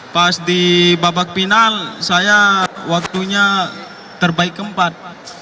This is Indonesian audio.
pas di babak final saya waktunya terbaik keempat